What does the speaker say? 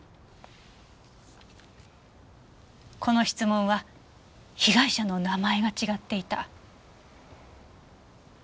この質問は被害者の名前が違っていた。